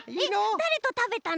だれとたべたの？